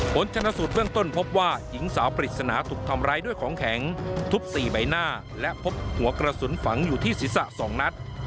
ผลชนสูตรเบื้องต้นพบว่าหญิงสาวปริศนาถูกทำร้ายด้วยของแข็งทุบ๔ใบหน้าและพบหัวกระสุนฝังอยู่ที่ศีรษะ๒นัด